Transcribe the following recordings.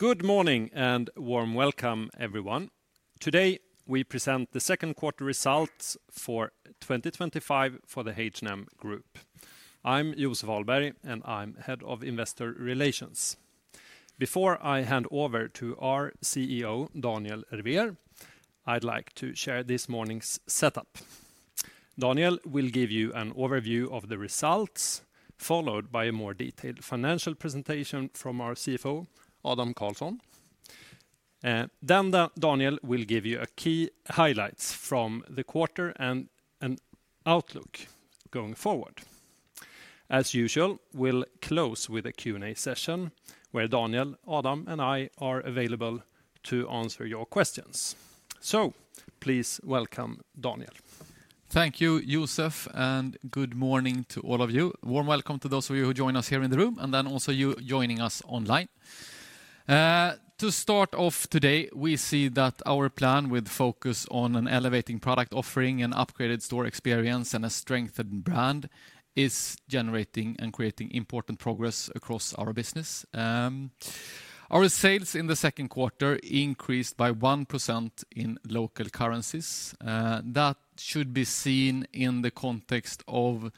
Good morning and warm welcome, everyone. Today we present the second quarter results for 2025 for the H&M Group. I'm Joseph Ahlberg, and I'm Head of Investor Relations. Before I hand over to our CEO, Daniel Ervér, I'd like to share this morning's setup. Daniel will give you an overview of the results, followed by a more detailed financial presentation from our CFO, Adam Karlsson. Then Daniel will give you key highlights from the quarter and an outlook going forward. As usual, we'll close with a Q&A session where Daniel, Adam, and I are available to answer your questions. Please welcome Daniel. Thank you, Joseph, and good morning to all of you. Warm welcome to those of you who join us here in the room, and then also you joining us online. To start off today, we see that our plan with focus on an elevating product offering, an upgraded store experience, and a strengthened brand is generating and creating important progress across our business. Our sales in the second quarter increased by 1% in local currencies. That should be seen in the context of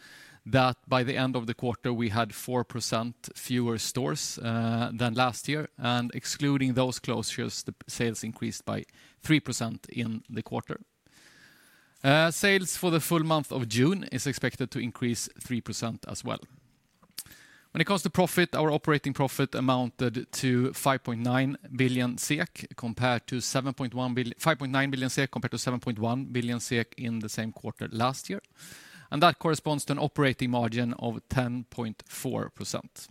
that by the end of the quarter we had 4% fewer stores than last year. Excluding those closures, the sales increased by 3% in the quarter. Sales for the full month of June is expected to increase 3% as well. When it comes to profit, our operating profit amounted to 5.9 billion SEK, compared to SEK 5.9 billion, compared to 7.1 billion in the same quarter last year. That corresponds to an operating margin of 10.4%.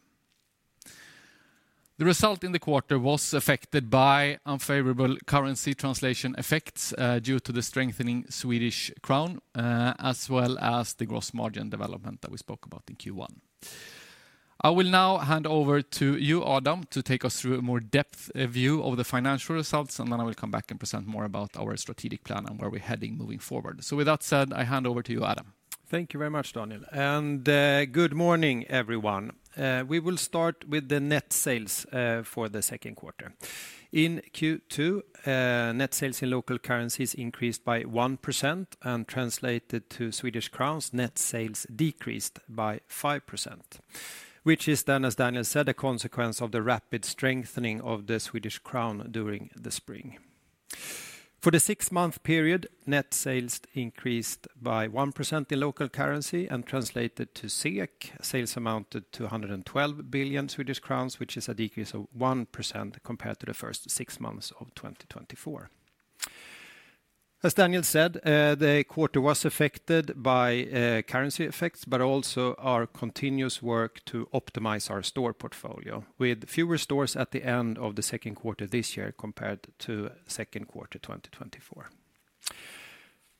The result in the quarter was affected by unfavorable currency translation effects due to the strengthening Swedish Krona, as well as the gross margin development that we spoke about in Q1. I will now hand over to you, Adam, to take us through a more in-depth view of the financial results, and then I will come back and present more about our strategic plan and where we're heading moving forward. With that said, I hand over to you, Adam. Thank you very much, Daniel. Good morning, everyone. We will start with the net sales for the second quarter. In Q2, net sales in local currencies increased by 1%, and translated to Swedish Crowns, net sales decreased by 5%, which is then, as Daniel said, a consequence of the rapid strengthening of the Swedish Crown during the spring. For the six-month period, net sales increased by 1% in local currency and translated to SEK. Sales amounted to 112 billion Swedish crowns, which is a decrease of 1% compared to the first six months of 2024. As Daniel said, the quarter was affected by currency effects, but also our continuous work to optimize our store portfolio, with fewer stores at the end of the second quarter this year compared to the second quarter 2024.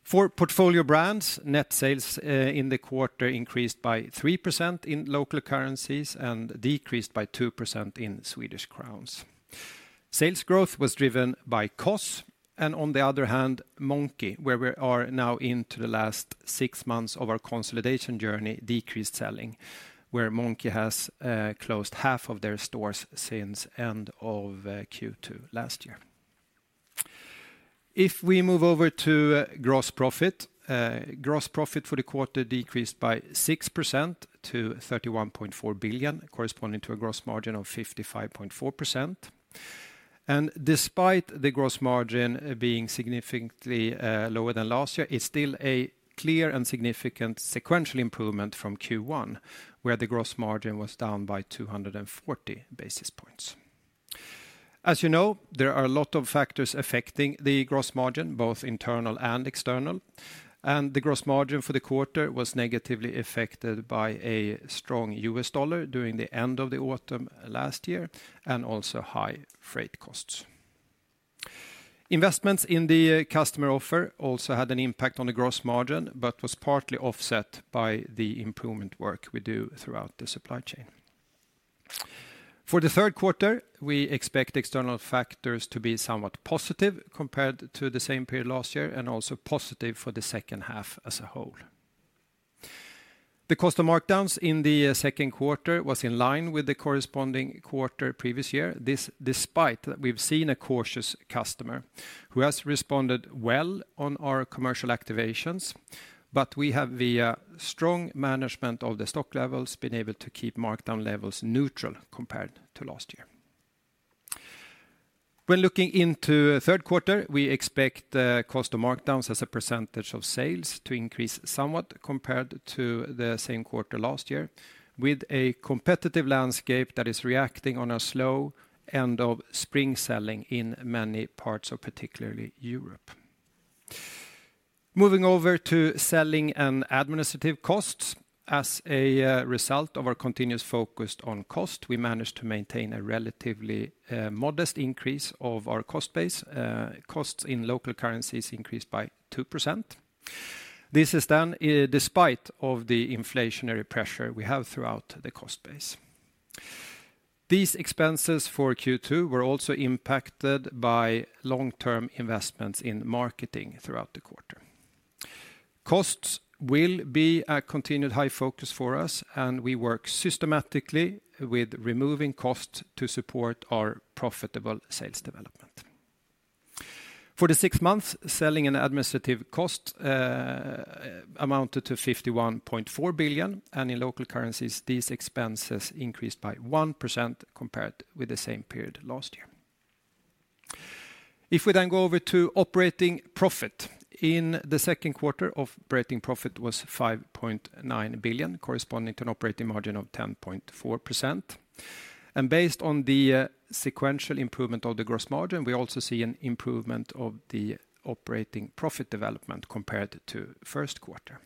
For portfolio brands, net sales in the quarter increased by 3% in local currencies and decreased by 2% in Swedish Crowns. Sales growth was driven by COS, and on the other hand, Monki, where we are now into the last six months of our consolidation journey, decreased selling, where Monki has closed half of their stores since the end of Q2 last year. If we move over to gross profit, gross profit for the quarter decreased by 6% to 31.4 billion, corresponding to a gross margin of 55.4%. Despite the gross margin being significantly lower than last year, it is still a clear and significant sequential improvement from Q1, where the gross margin was down by 240 basis points. As you know, there are a lot of factors affecting the gross margin, both internal and external. The gross margin for the quarter was negatively affected by a strong US dollar during the end of the autumn last year and also high freight costs. Investments in the customer offer also had an impact on the gross margin, but was partly offset by the improvement work we do throughout the supply chain. For the third quarter, we expect external factors to be somewhat positive compared to the same period last year and also positive for the second half as a whole. The cost of markdowns in the second quarter was in line with the corresponding quarter previous year, this despite that we've seen a cautious customer who has responded well on our commercial activations, but we have, via strong management of the stock levels, been able to keep markdown levels neutral compared to last year. When looking into third quarter, we expect cost of markdowns as a percentage of sales to increase somewhat compared to the same quarter last year, with a competitive landscape that is reacting on a slow end of spring selling in many parts of particularly Europe. Moving over to selling and administrative costs, as a result of our continuous focus on cost, we managed to maintain a relatively modest increase of our cost base. Costs in local currencies increased by 2%. This is then despite the inflationary pressure we have throughout the cost base. These expenses for Q2 were also impacted by long-term investments in marketing throughout the quarter. Costs will be a continued high focus for us, and we work systematically with removing costs to support our profitable sales development. For the six months, selling and administrative costs amounted to 51.4 billion, and in local currencies, these expenses increased by 1% compared with the same period last year. If we then go over to operating profit, in the second quarter, operating profit was 5.9 billion, corresponding to an operating margin of 10.4%. Based on the sequential improvement of the gross margin, we also see an improvement of the operating profit development compared to the first quarter.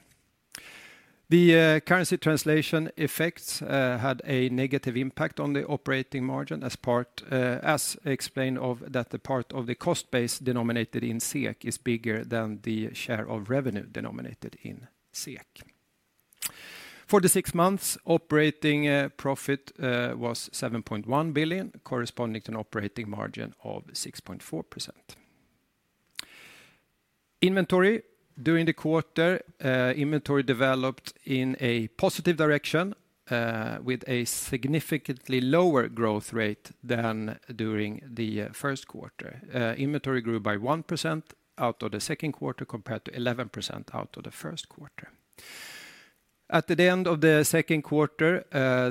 The currency translation effects had a negative impact on the operating margin, as explained by the fact that the part of the cost base denominated in SEK is bigger than the share of revenue denominated in SEK. For the six months, operating profit was 7.1 billion, corresponding to an operating margin of 6.4%. Inventory during the quarter developed in a positive direction with a significantly lower growth rate than during the first quarter. Inventory grew by 1% out of the second quarter compared to 11% out of the first quarter. At the end of the second quarter,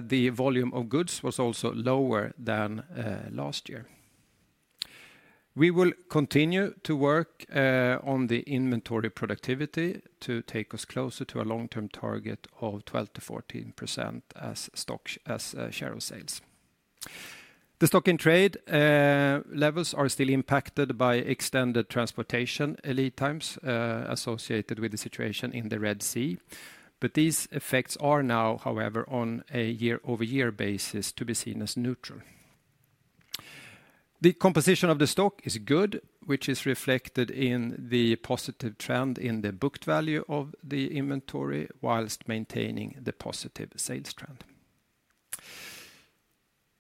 the volume of goods was also lower than last year. We will continue to work on the inventory productivity to take us closer to a long-term target of 12-14% as share of sales. The stock in trade levels are still impacted by extended transportation lead times associated with the situation in the Red Sea, but these effects are now, however, on a year-over-year basis to be seen as neutral. The composition of the stock is good, which is reflected in the positive trend in the booked value of the inventory, whilst maintaining the positive sales trend.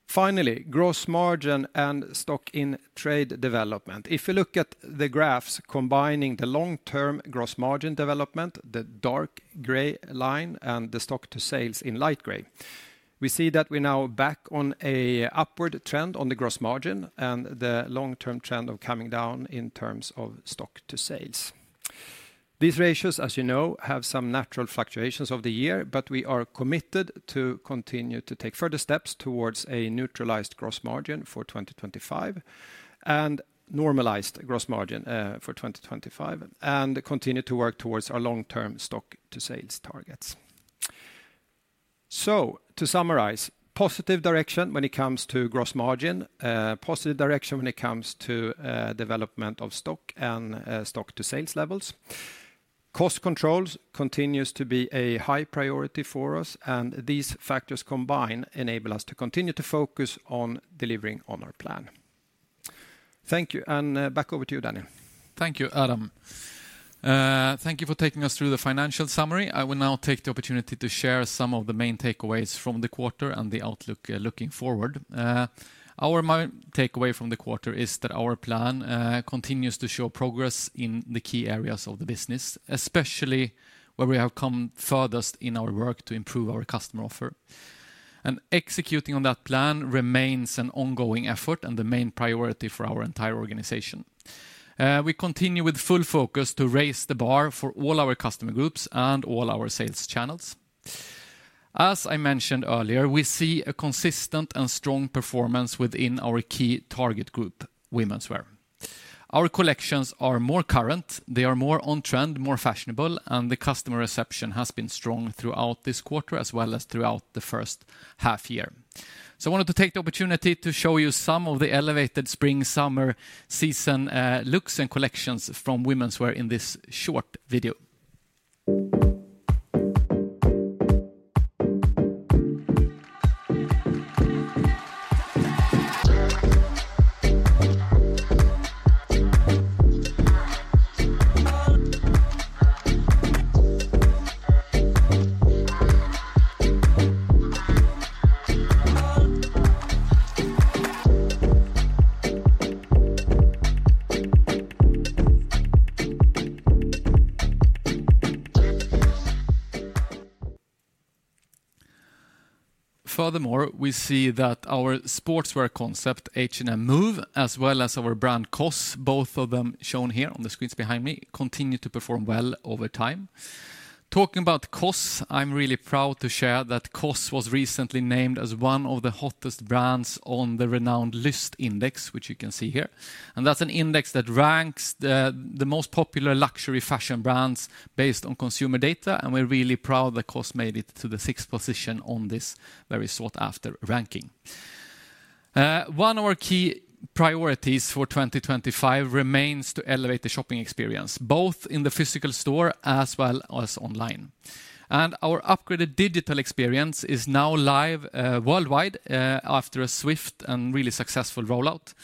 Finally, gross margin and stock in trade development. If you look at the graphs combining the long-term gross margin development, the dark gray line, and the stock to sales in light gray, we see that we're now back on an upward trend on the gross margin and the long-term trend of coming down in terms of stock to sales. These ratios, as you know, have some natural fluctuations over the year, but we are committed to continue to take further steps towards a neutralized gross margin for 2025 and normalized gross margin for 2025, and continue to work towards our long-term stock to sales targets. To summarize, positive direction when it comes to gross margin, positive direction when it comes to development of stock and stock to sales levels. Cost controls continue to be a high priority for us, and these factors combined enable us to continue to focus on delivering on our plan. Thank you, and back over to you, Daniel. Thank you, Adam. Thank you for taking us through the financial summary. I will now take the opportunity to share some of the main takeaways from the quarter and the outlook looking forward. Our main takeaway from the quarter is that our plan continues to show progress in the key areas of the business, especially where we have come furthest in our work to improve our customer offer. Executing on that plan remains an ongoing effort and the main priority for our entire organization. We continue with full focus to raise the bar for all our customer groups and all our sales channels. As I mentioned earlier, we see a consistent and strong performance within our key target group, women's wear. Our collections are more current, they are more on trend, more fashionable, and the customer reception has been strong throughout this quarter as well as throughout the first half year. I wanted to take the opportunity to show you some of the elevated spring-summer season looks and collections from women's wear in this short video. Furthermore, we see that our sportswear concept, H&M Move, as well as our brand COS, both of them shown here on the screens behind me, continue to perform well over time. Talking about COS, I'm really proud to share that COS was recently named as one of the hottest brands on the renowned Lyst Index, which you can see here. That's an index that ranks the most popular luxury fashion brands based on consumer data, and we're really proud that COS made it to the sixth position on this very sought-after ranking. One of our key priorities for 2025 remains to elevate the shopping experience, both in the physical store as well as online. Our upgraded digital experience is now live worldwide after a swift and really successful rollout.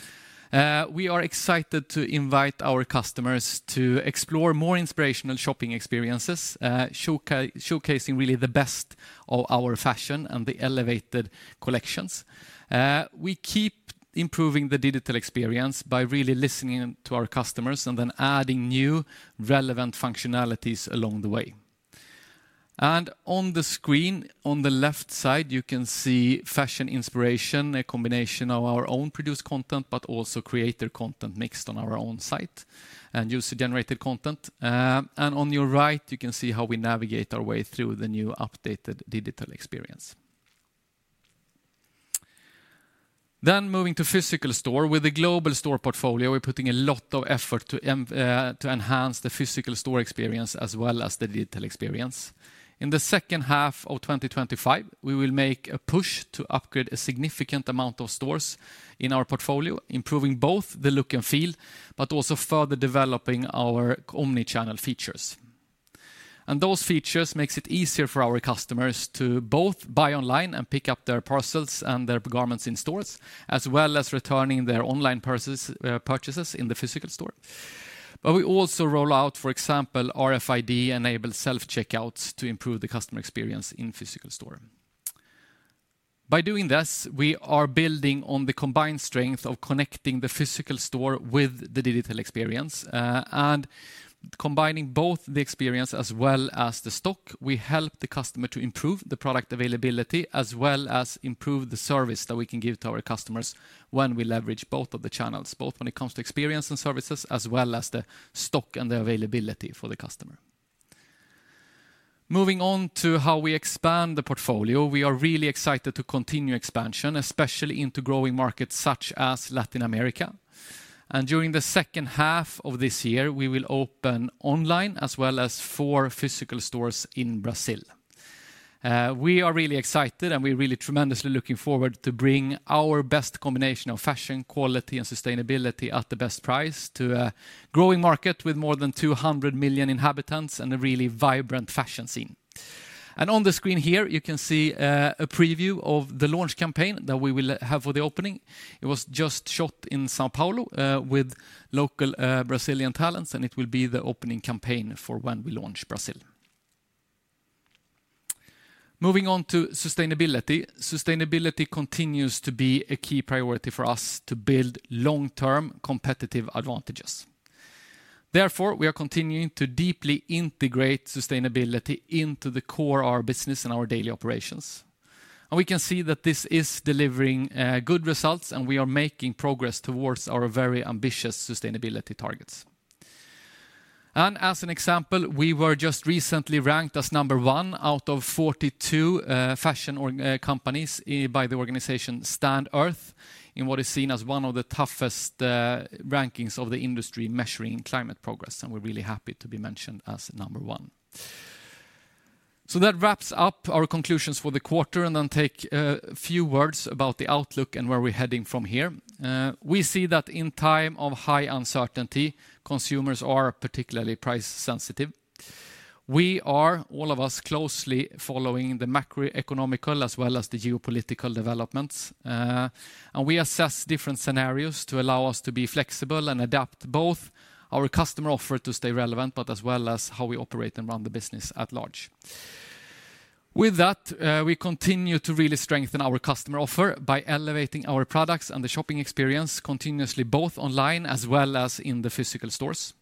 We are excited to invite our customers to explore more inspirational shopping experiences, showcasing really the best of our fashion and the elevated collections. We keep improving the digital experience by really listening to our customers and then adding new relevant functionalities along the way. On the screen on the left side, you can see fashion inspiration, a combination of our own produced content, but also creator content mixed on our own site and user-generated content. On your right, you can see how we navigate our way through the new updated digital experience. Moving to physical store, with the global store portfolio, we're putting a lot of effort to enhance the physical store experience as well as the digital experience. In the second half of 2025, we will make a push to upgrade a significant amount of stores in our portfolio, improving both the look and feel, but also further developing our omnichannel features. Those features make it easier for our customers to both buy online and pick up their parcels and their garments in stores, as well as returning their online purchases in the physical store. We also roll out, for example, RFID-enabled self-checkouts to improve the customer experience in physical store. By doing this, we are building on the combined strength of connecting the physical store with the digital experience. Combining both the experience as well as the stock, we help the customer to improve the product availability as well as improve the service that we can give to our customers when we leverage both of the channels, both when it comes to experience and services, as well as the stock and the availability for the customer. Moving on to how we expand the portfolio, we are really excited to continue expansion, especially into growing markets such as Latin America. During the second half of this year, we will open online as well as for physical stores in Brazil. We are really excited and we're really tremendously looking forward to bringing our best combination of fashion, quality, and sustainability at the best price to a growing market with more than 200 million inhabitants and a really vibrant fashion scene. On the screen here, you can see a preview of the launch campaign that we will have for the opening. It was just shot in São Paulo with local Brazilian talents, and it will be the opening campaign for when we launch Brazil. Moving on to sustainability, sustainability continues to be a key priority for us to build long-term competitive advantages. Therefore, we are continuing to deeply integrate sustainability into the core of our business and our daily operations. We can see that this is delivering good results, and we are making progress towards our very ambitious sustainability targets. As an example, we were just recently ranked as number one out of 42 fashion companies by the organization Stand.earth in what is seen as one of the toughest rankings of the industry measuring climate progress, and we are really happy to be mentioned as number one. That wraps up our conclusions for the quarter and then take a few words about the outlook and where we're heading from here. We see that in times of high uncertainty, consumers are particularly price sensitive. We are, all of us, closely following the macroeconomical as well as the geopolitical developments. We assess different scenarios to allow us to be flexible and adapt both our customer offer to stay relevant, as well as how we operate and run the business at large. With that, we continue to really strengthen our customer offer by elevating our products and the shopping experience continuously, both online as well as in the physical stores.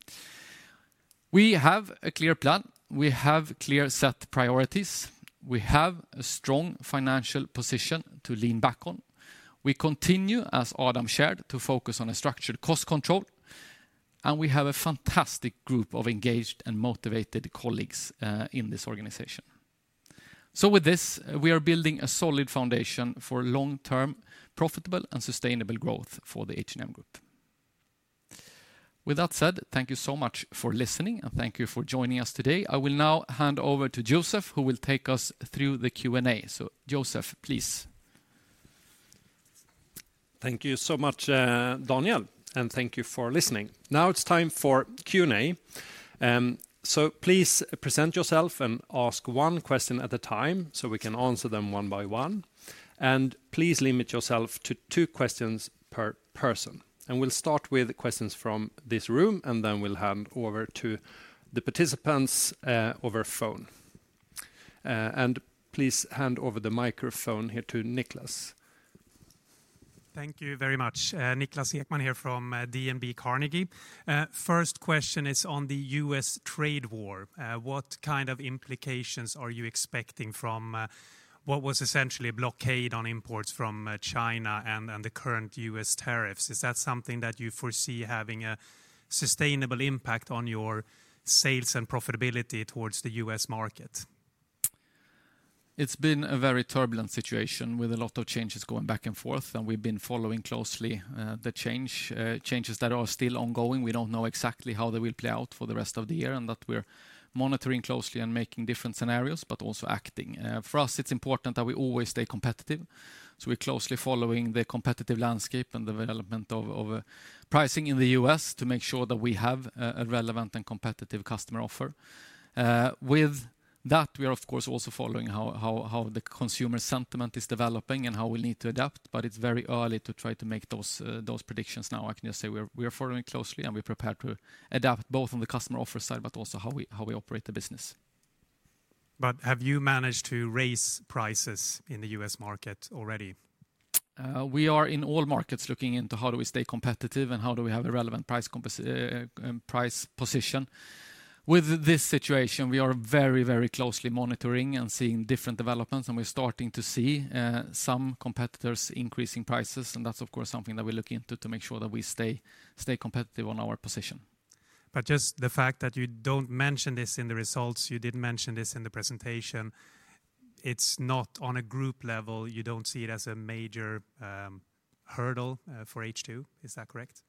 We have a clear plan. We have clear set priorities. We have a strong financial position to lean back on. We continue, as Adam shared, to focus on a structured cost control. We have a fantastic group of engaged and motivated colleagues in this organization. With this, we are building a solid foundation for long-term profitable and sustainable growth for the H&M Group. With that said, thank you so much for listening and thank you for joining us today. I will now hand over to Joseph, who will take us through the Q&A. Joseph, please. Thank you so much, Daniel, and thank you for listening. Now it's time for Q&A. Please present yourself and ask one question at a time so we can answer them one by one. Please limit yourself to two questions per person. We'll start with questions from this room, and then we'll hand over to the participants over phone. Please hand over the microphone here to Niklas. Thank you very much. Niklas Ekman here from DNB Carnegie. First question is on the U.S. trade war. What kind of implications are you expecting from what was essentially a blockade on imports from China and the current U.S. tariffs? Is that something that you foresee having a sustainable impact on your sales and profitability towards the U.S. market? It's been a very turbulent situation with a lot of changes going back and forth, and we've been following closely the changes that are still ongoing. We don't know exactly how they will play out for the rest of the year and that we're monitoring closely and making different scenarios, but also acting. For us, it's important that we always stay competitive. We are closely following the competitive landscape and the development of pricing in the U.S. to make sure that we have a relevant and competitive customer offer. With that, we are, of course, also following how the consumer sentiment is developing and how we need to adapt, but it's very early to try to make those predictions now. I can just say we are following closely and we're prepared to adapt both on the customer offer side, but also how we operate the business. Have you managed to raise prices in the U.S. market already? We are in all markets looking into how do we stay competitive and how do we have a relevant price position. With this situation, we are very, very closely monitoring and seeing different developments, and we're starting to see some competitors increasing prices, and that's, of course, something that we look into to make sure that we stay competitive on our position. Just the fact that you don't mention this in the results, you did mention this in the presentation, it's not on a group level, you don't see it as a major hurdle for H2, is that correct?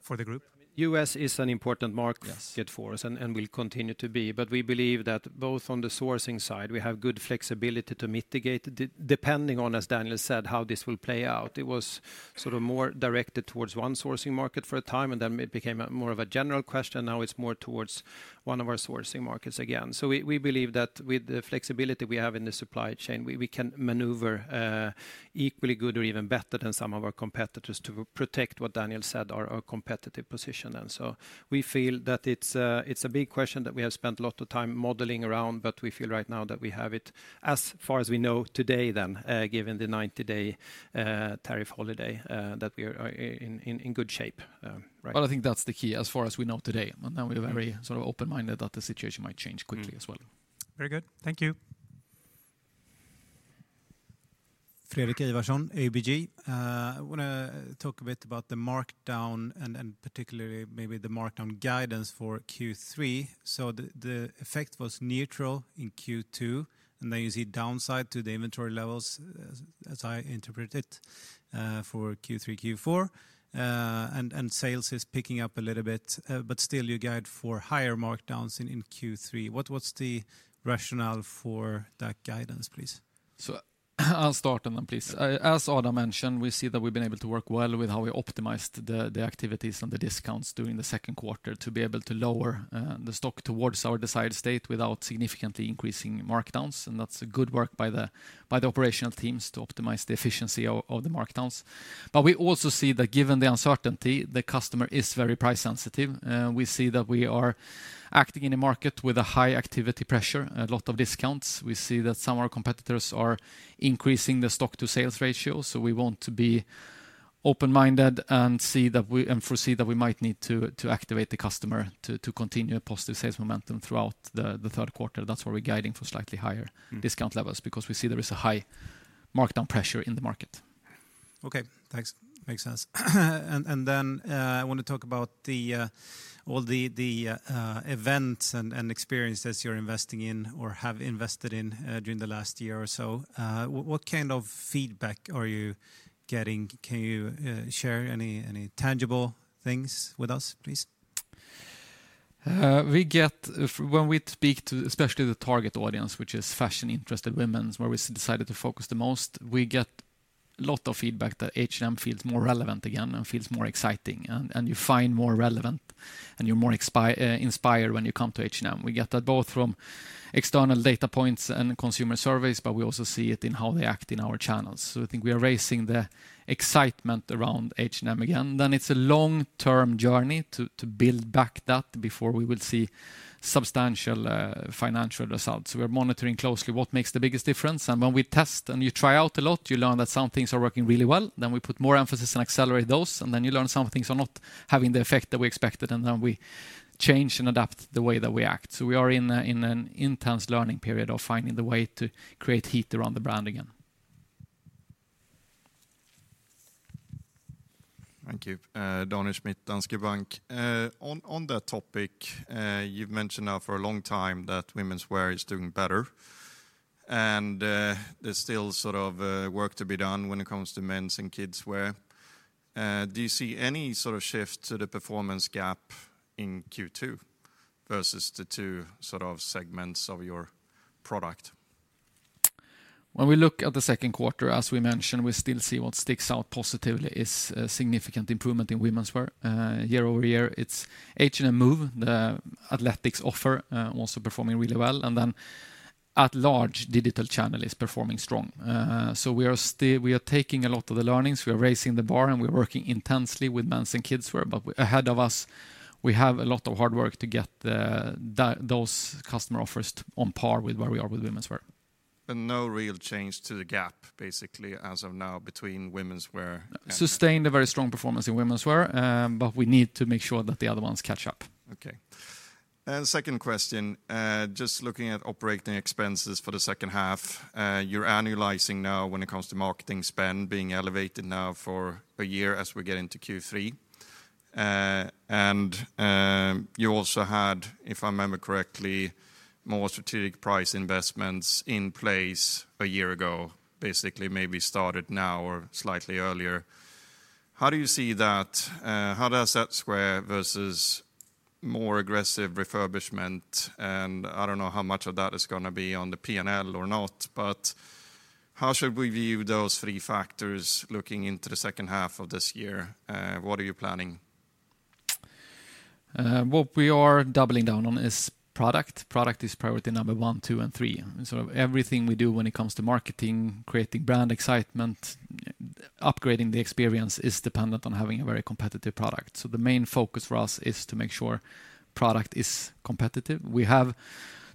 For the group? U.S. is an important market for us and will continue to be, but we believe that both on the sourcing side, we have good flexibility to mitigate depending on, as Daniel said, how this will play out. It was sort of more directed towards one sourcing market for a time, and then it became more of a general question, and now it is more towards one of our sourcing markets again. We believe that with the flexibility we have in the supply chain, we can maneuver equally good or even better than some of our competitors to protect, what Daniel said, our competitive position. We feel that it is a big question that we have spent a lot of time modeling around, but we feel right now that we have it, as far as we know today then, given the 90-day tariff holiday, that we are in good shape. I think that's the key as far as we know today. We are very sort of open-minded that the situation might change quickly as well. Very good. Thank you. Fredrik Ivarsson, ABG. I want to talk a bit about the markdown and particularly maybe the markdown guidance for Q3. The effect was neutral in Q2, and then you see downside to the inventory levels, as I interpret it, for Q3, Q4. Sales is picking up a little bit, but still you guide for higher markdowns in Q3. What's the rationale for that guidance, please? I'll start then, please. As Adam mentioned, we see that we've been able to work well with how we optimized the activities and the discounts during the second quarter to be able to lower the stock towards our desired state without significantly increasing markdowns. That's good work by the operational teams to optimize the efficiency of the markdowns. We also see that given the uncertainty, the customer is very price sensitive. We see that we are acting in a market with a high activity pressure, a lot of discounts. We see that some of our competitors are increasing the stock-to-sales ratio, so we want to be open-minded and see that we foresee that we might need to activate the customer to continue a positive sales momentum throughout the third quarter. That's why we're guiding for slightly higher discount levels, because we see there is a high markdown pressure in the market. Okay, thanks. Makes sense. I want to talk about all the events and experiences you're investing in or have invested in during the last year or so. What kind of feedback are you getting? Can you share any tangible things with us, please? We get, when we speak to especially the target audience, which is fashion-interested women, where we decided to focus the most, we get a lot of feedback that H&M feels more relevant again and feels more exciting. You find more relevant, and you're more inspired when you come to H&M. We get that both from external data points and consumer surveys, but we also see it in how they act in our channels. I think we are raising the excitement around H&M again. It is a long-term journey to build back that before we will see substantial financial results. We are monitoring closely what makes the biggest difference. When we test and you try out a lot, you learn that some things are working really well, then we put more emphasis and accelerate those, and then you learn some things are not having the effect that we expected, and then we change and adapt the way that we act. We are in an intense learning period of finding the way to create heat around the brand again. Thank you. Daniel Schmidt, Danske Bank. On that topic, you've mentioned now for a long time that women's wear is doing better, and there's still sort of work to be done when it comes to men's and kids' wear. Do you see any sort of shift to the performance gap in Q2 versus the two sort of segments of your product? When we look at the second quarter, as we mentioned, we still see what sticks out positively is a significant improvement in women's wear year-over-year. It's H&M Move, the athletics offer, also performing really well. At large, digital channel is performing strong. We are taking a lot of the learnings, we are raising the bar, and we are working intensely with men's and kids' wear. Ahead of us, we have a lot of hard work to get those customer offers on par with where we are with women's wear. No real change to the gap, basically, as of now, between women's wear? Sustained a very strong performance in women's wear, but we need to make sure that the other ones catch up. Okay. Second question, just looking at operating expenses for the second half, you're annualizing now when it comes to marketing spend being elevated now for a year as we get into Q3. You also had, if I remember correctly, more strategic price investments in place a year ago, basically maybe started now or slightly earlier. How do you see that? How does that square versus more aggressive refurbishment? I do not know how much of that is going to be on the P&L or not, but how should we view those three factors looking into the second half of this year? What are you planning? What we are doubling down on is product. Product is priority number one, two, and three. Everything we do when it comes to marketing, creating brand excitement, upgrading the experience is dependent on having a very competitive product. The main focus for us is to make sure product is competitive. We have,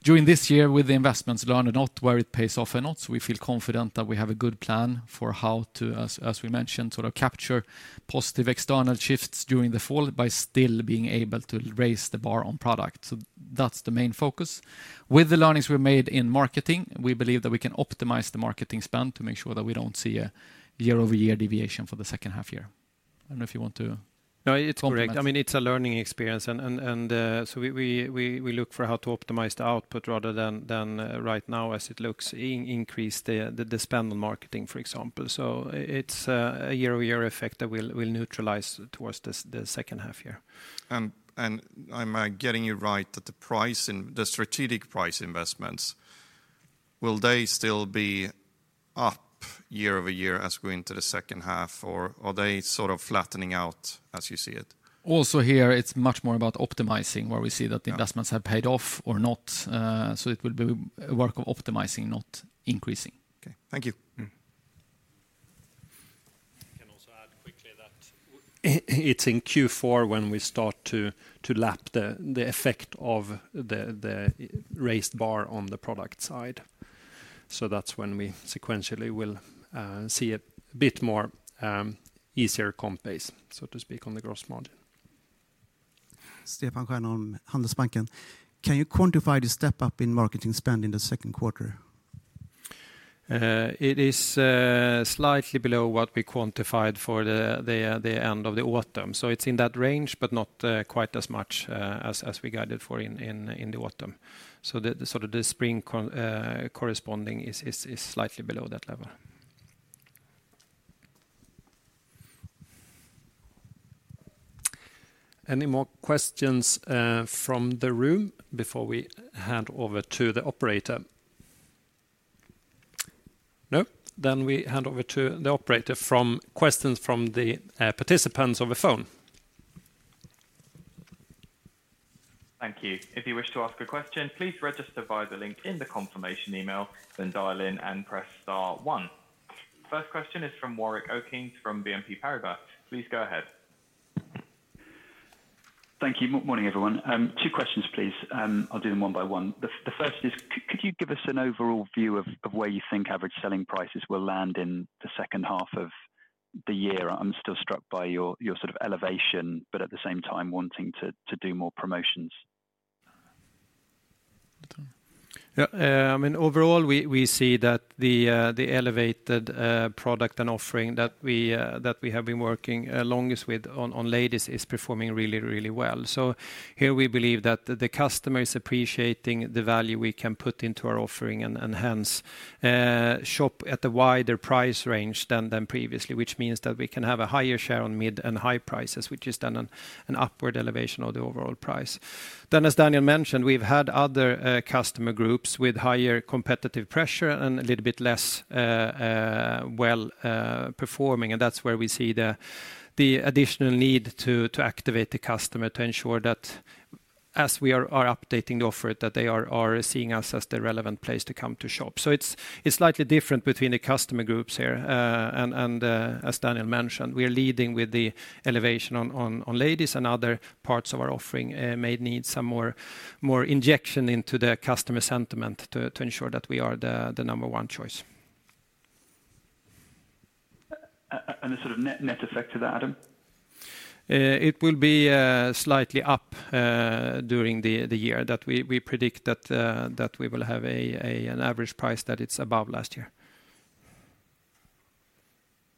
during this year with the investments, learned a lot where it pays off or not. We feel confident that we have a good plan for how to, as we mentioned, sort of capture positive external shifts during the fall by still being able to raise the bar on product. That is the main focus. With the learnings we have made in marketing, we believe that we can optimize the marketing spend to make sure that we do not see a year-over-year deviation for the second half year. I do not know if you want to comment. No, it's correct. I mean, it's a learning experience. We look for how to optimize the output rather than right now, as it looks, increase the spend on marketing, for example. It's a year-over-year effect that will neutralize towards the second half year. Am I getting you right that the price, the strategic price investments, will they still be up year-over-year as we go into the second half, or are they sort of flattening out as you see it? Also here, it's much more about optimizing where we see that the investments have paid off or not. It will be a work of optimizing, not increasing. Okay, thank you. I can also add quickly that it's in Q4 when we start to lap the effect of the raised bar on the product side. That's when we sequentially will see a bit more easier comp base, so to speak, on the gross margin. Stefan Scherner on Handelsbanken. Can you quantify the step-up in marketing spend in the second quarter? It is slightly below what we quantified for the end of the autumn. It is in that range, but not quite as much as we guided for in the autumn. The spring corresponding is slightly below that level. Any more questions from the room before we hand over to the operator? No? Then we hand over to the operator for questions from the participants over phone. Thank you. If you wish to ask a question, please register via the link in the confirmation email, then dial in and press star one. First question is from Warwick Okines from BNP Paribas. Please go ahead. Thank you. Morning, everyone. Two questions, please. I'll do them one by one. The first is, could you give us an overall view of where you think average selling prices will land in the second half of the year? I'm still struck by your sort of elevation, but at the same time, wanting to do more promotions. I mean, overall, we see that the elevated product and offering that we have been working longest with on ladies is performing really, really well. Here we believe that the customer is appreciating the value we can put into our offering and hence shop at a wider price range than previously, which means that we can have a higher share on mid and high prices, which is then an upward elevation of the overall price. As Daniel mentioned, we've had other customer groups with higher competitive pressure and a little bit less well performing, and that's where we see the additional need to activate the customer to ensure that as we are updating the offer, that they are seeing us as the relevant place to come to shop. It is slightly different between the customer groups here. As Daniel mentioned, we're leading with the elevation on ladies and other parts of our offering may need some more injection into the customer sentiment to ensure that we are the number one choice. The sort of net effect to that, Adam? It will be slightly up during the year that we predict that we will have an average price that is above last year.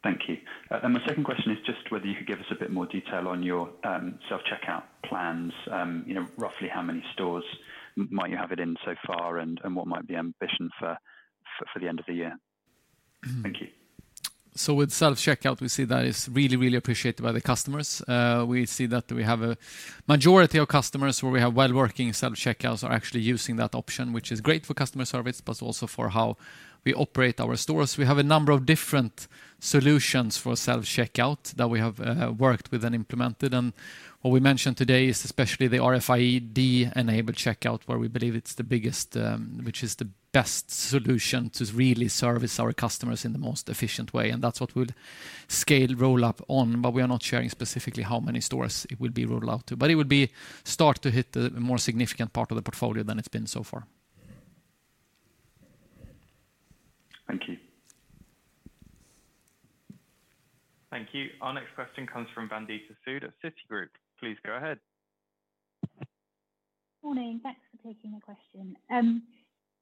Thank you. My second question is just whether you could give us a bit more detail on your self-checkout plans. Roughly how many stores might you have it in so far and what might be ambition for the end of the year? Thank you. With self-checkout, we see that it's really, really appreciated by the customers. We see that we have a majority of customers where we have well-working self-checkouts are actually using that option, which is great for customer service, but also for how we operate our stores. We have a number of different solutions for self-checkout that we have worked with and implemented. What we mentioned today is especially the RFID-enabled checkout, where we believe it's the biggest, which is the best solution to really service our customers in the most efficient way. That's what we'll scale roll-up on, but we are not sharing specifically how many stores it will be rolled out to. It will start to hit the more significant part of the portfolio than it's been so far. Thank you. Thank you. Our next question comes from Vandita Sood at Citigroup. Please go ahead. Morning. Thanks for taking the question.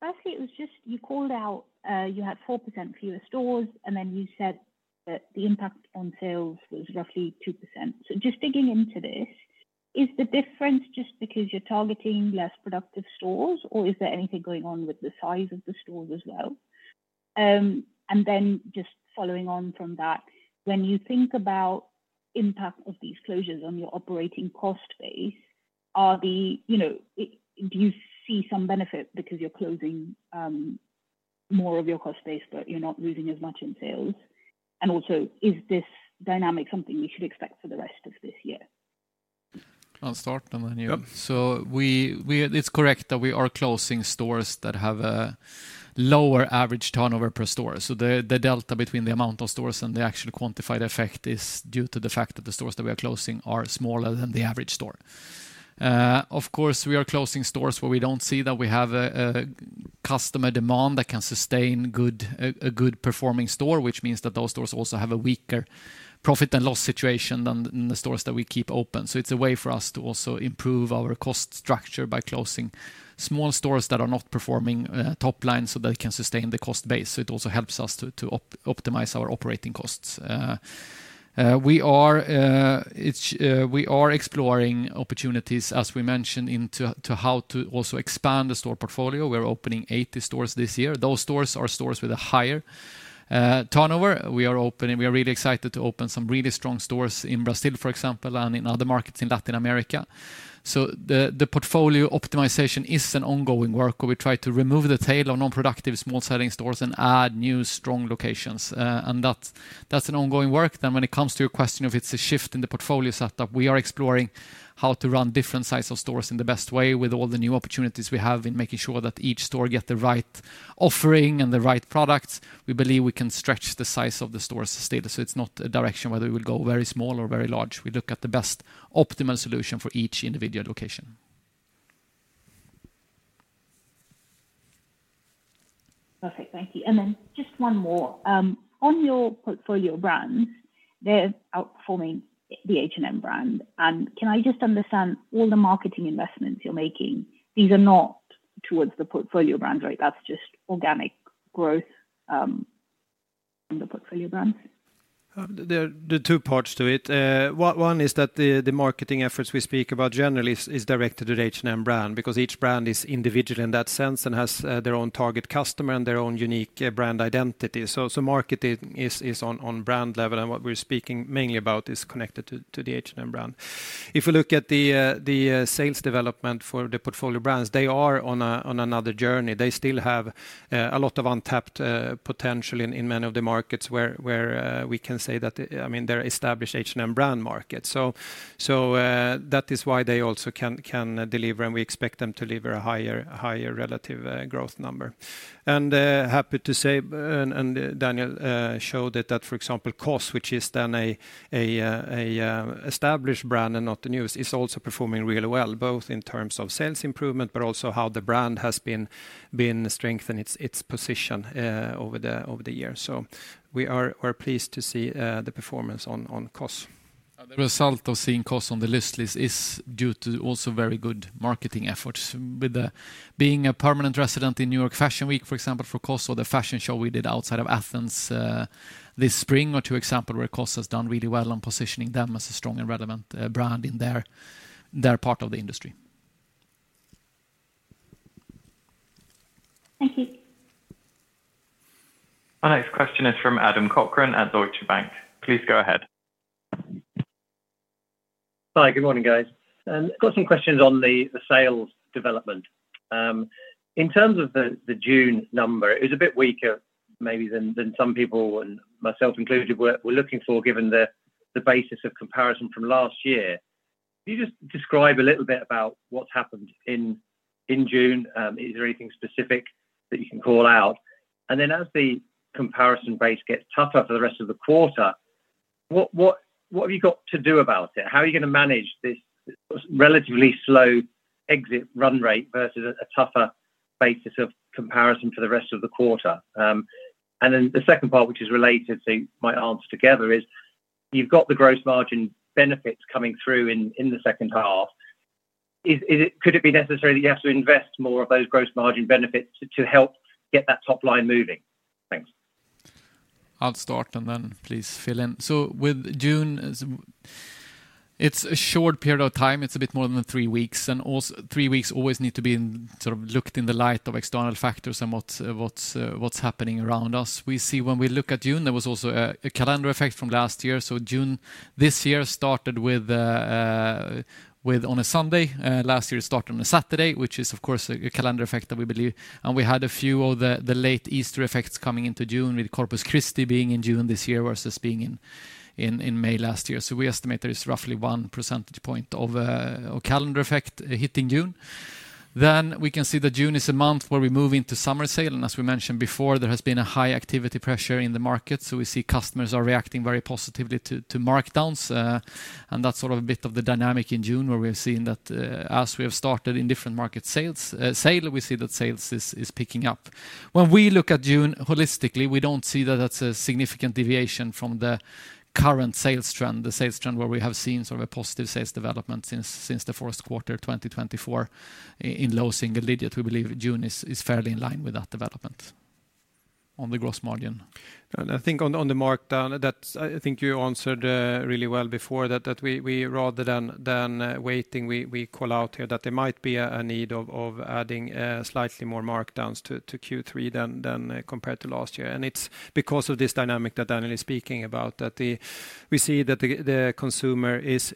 Firstly, it was just you called out you had 4% fewer stores, and then you said that the impact on sales was roughly 2%. Just digging into this, is the difference just because you're targeting less productive stores, or is there anything going on with the size of the stores as well? Just following on from that, when you think about the impact of these closures on your operating cost base, do you see some benefit because you're closing more of your cost base, but you're not losing as much in sales? Also, is this dynamic something we should expect for the rest of this year? I'll start and then you. It is correct that we are closing stores that have a lower average turnover per store. The delta between the amount of stores and the actual quantified effect is due to the fact that the stores that we are closing are smaller than the average store. Of course, we are closing stores where we do not see that we have customer demand that can sustain a good performing store, which means that those stores also have a weaker profit and loss situation than the stores that we keep open. It is a way for us to also improve our cost structure by closing small stores that are not performing top line so that it can sustain the cost base. It also helps us to optimize our operating costs. We are exploring opportunities, as we mentioned, into how to also expand the store portfolio. We are opening 80 stores this year. Those stores are stores with a higher turnover. We are really excited to open some really strong stores in Brazil, for example, and in other markets in Latin America. The portfolio optimization is an ongoing work where we try to remove the tail of non-productive small-selling stores and add new strong locations. That is an ongoing work. When it comes to your question of if it is a shift in the portfolio setup, we are exploring how to run different sizes of stores in the best way with all the new opportunities we have in making sure that each store gets the right offering and the right products. We believe we can stretch the size of the stores still. It is not a direction whether we will go very small or very large. We look at the best optimal solution for each individual location. Perfect. Thank you. Just one more. On your portfolio brands, they're outperforming the H&M brand. Can I just understand all the marketing investments you're making, these are not towards the portfolio brands, right? That's just organic growth in the portfolio brands? There are two parts to it. One is that the marketing efforts we speak about generally is directed at H&M brand because each brand is individual in that sense and has their own target customer and their own unique brand identity. Marketing is on brand level, and what we're speaking mainly about is connected to the H&M brand. If we look at the sales development for the portfolio brands, they are on another journey. They still have a lot of untapped potential in many of the markets where we can say that, I mean, they're established H&M brand markets. That is why they also can deliver, and we expect them to deliver a higher relative growth number. Happy to say, and Daniel showed it that, for example, COS, which is then an established brand and not the newest, is also performing really well, both in terms of sales improvement, but also how the brand has been strengthened, its position over the years. We are pleased to see the performance on COS. The result of seeing COS on the list is due to also very good marketing efforts. With being a permanent resident in New York Fashion Week, for example, for COS, or the fashion show we did outside of Athens this spring or two, for example, where COS has done really well on positioning them as a strong and relevant brand in their part of the industry. Thank you. Our next question is from Adam Cochrane at Deutsche Bank. Please go ahead. Hi, good morning, guys. I've got some questions on the sales development. In terms of the June number, it was a bit weaker, maybe, than some people, and myself included, were looking for given the basis of comparison from last year. Can you just describe a little bit about what's happened in June? Is there anything specific that you can call out? As the comparison base gets tougher for the rest of the quarter, what have you got to do about it? How are you going to manage this relatively slow exit run rate versus a tougher basis of comparison for the rest of the quarter? The second part, which is related to my answer together, is you've got the gross margin benefits coming through in the second half. Could it be necessary that you have to invest more of those gross margin benefits to help get that top line moving? Thanks. I'll start and then please fill in. With June, it's a short period of time. It's a bit more than three weeks. Three weeks always need to be sort of looked at in the light of external factors and what's happening around us. We see when we look at June, there was also a calendar effect from last year. June this year started on a Sunday. Last year, it started on a Saturday, which is, of course, a calendar effect that we believe. We had a few of the late Easter effects coming into June, with Corpus Christi being in June this year versus being in May last year. We estimate there is roughly 1 percentage point of calendar effect hitting June. We can see that June is a month where we move into summer sale. As we mentioned before, there has been a high activity pressure in the market. We see customers are reacting very positively to markdowns. That is sort of a bit of the dynamic in June where we are seeing that as we have started in different market sales, we see that sales is picking up. When we look at June holistically, we do not see that as a significant deviation from the current sales trend, the sales trend where we have seen sort of a positive sales development since the first quarter of 2024. In low single digits, we believe June is fairly in line with that development on the gross margin. I think on the markdown, I think you answered really well before that rather than waiting, we call out here that there might be a need of adding slightly more markdowns to Q3 than compared to last year. It is because of this dynamic that Daniel is speaking about that we see that the consumer is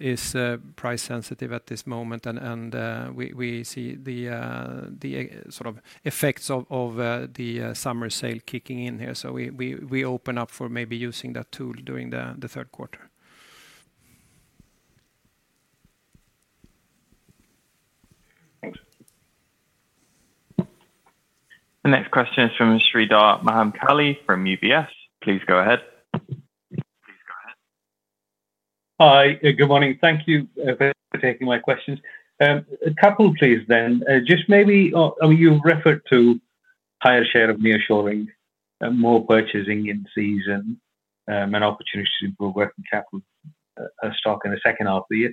price sensitive at this moment, and we see the sort of effects of the summer sale kicking in here. We open up for maybe using that tool during the third quarter. Thanks. The next question is from Sreedhar Mahamkali from UBS. Please go ahead. Hi, good morning. Thank you for taking my questions. A couple, please, then. Just maybe, I mean, you've referred to a higher share of nearshoring, more purchasing in season, and opportunities for working capital stock in the second half of the year.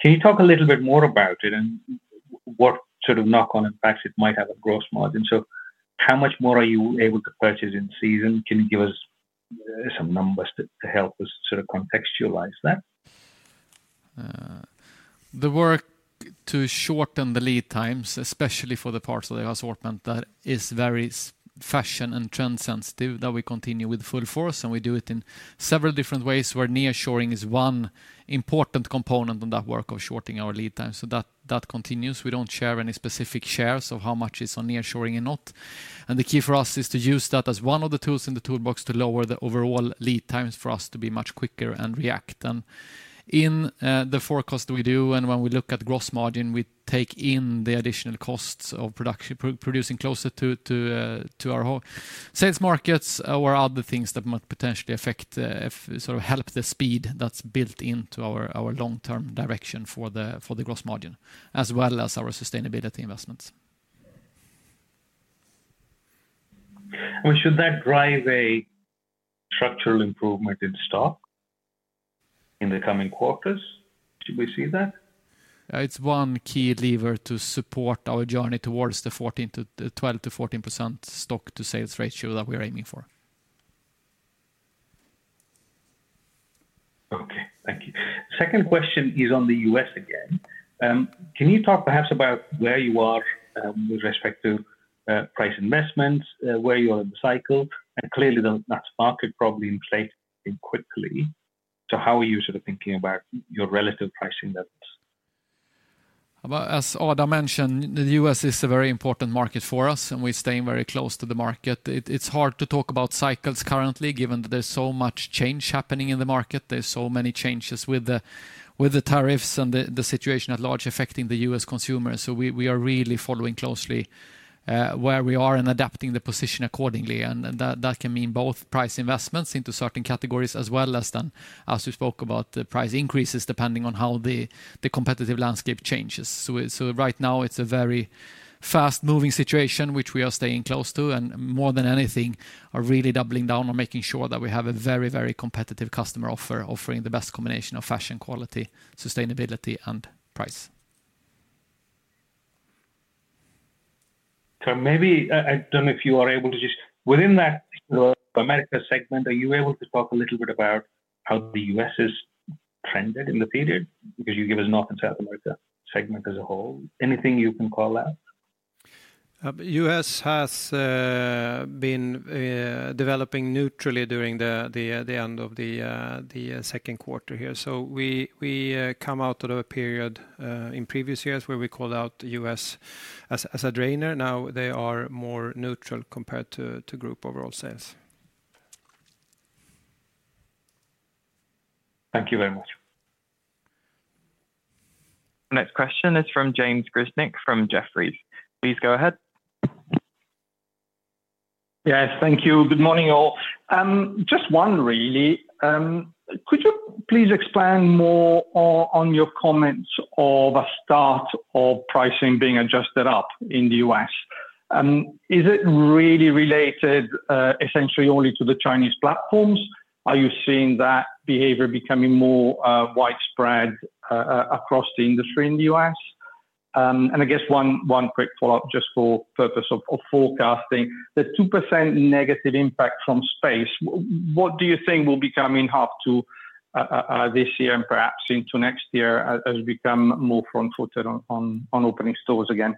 Can you talk a little bit more about it and what sort of knock-on impacts it might have on gross margin? How much more are you able to purchase in season? Can you give us some numbers to help us sort of contextualize that? The work to shorten the lead times, especially for the parts of the assortment that is very fashion and trend-sensitive, that we continue with full force, and we do it in several different ways where nearshoring is one important component on that work of shortening our lead time. That continues. We do not share any specific shares of how much is on nearshoring and not. The key for us is to use that as one of the tools in the toolbox to lower the overall lead times for us to be much quicker and react. In the forecast that we do, and when we look at gross margin, we take in the additional costs of producing closer to our sales markets or other things that might potentially affect sort of help the speed that's built into our long-term direction for the gross margin, as well as our sustainability investments. I mean, should that drive a structural improvement in stock in the coming quarters? Should we see that? It's one key lever to support our journey towards the 12-14% stock-to-sales ratio that we're aiming for. Okay. Thank you. Second question is on the U.S. again. Can you talk perhaps about where you are with respect to price investments, where you are in the cycle? Clearly, that market probably inflated quickly. How are you sort of thinking about your relative pricing levels? As Adam mentioned, the U.S. is a very important market for us, and we're staying very close to the market. It's hard to talk about cycles currently, given that there's so much change happening in the market. There are so many changes with the tariffs and the situation at large affecting the U.S. consumers. We are really following closely where we are and adapting the position accordingly. That can mean both price investments into certain categories as well as, as we spoke about, price increases depending on how the competitive landscape changes. Right now, it's a very fast-moving situation, which we are staying close to. More than anything, we are really doubling down on making sure that we have a very, very competitive customer offer, offering the best combination of fashion, quality, sustainability, and price. Maybe, I do not know if you are able to just, within that America segment, are you able to talk a little bit about how the U.S. has trended in the period? Because you give us North and South America segment as a whole. Anything you can call out? U.S. has been developing neutrally during the end of the second quarter here. We come out of a period in previous years where we called out the U.S. as a drainer. Now they are more neutral compared to group overall sales. Thank you very much. Next question is from James Grzinic from Jefferies. Please go ahead. Yes, thank you. Good morning, all. Just one, really. Could you please expand more on your comments of a start of pricing being adjusted up in the U.S.? Is it really related essentially only to the Chinese platforms? Are you seeing that behavior becoming more widespread across the industry in the U.S.? I guess one quick follow-up just for purpose of forecasting. The 2% negative impact from space, what do you think will be coming up to this year and perhaps into next year as we become more front-footed on opening stores again?